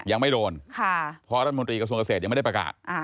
ยังไม่โดนเพราะรัฐมนตรีกระทรวงเกษตรยังไม่ได้ประกาศ